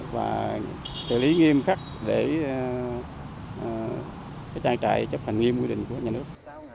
và xử lý nghiêm khắc để trang trại chấp hành nghiêm quy định của nhà nước